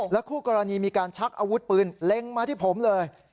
คู่กรณีมีการชักอาวุธปืนเล็งมาที่ผมเลย